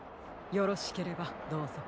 よろしければどうぞ。